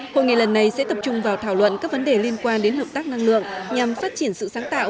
hội nghị lần này sẽ tập trung vào thảo luận các vấn đề liên quan đến hợp tác năng lượng nhằm phát triển sự sáng tạo